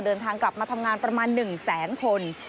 เดินทางกลับมาทำงานประมาณ๑แสนคน